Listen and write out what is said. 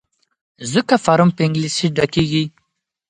ځکه فارم په انګلیسي ډکیږي.